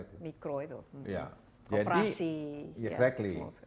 ya memang mikro itu operasi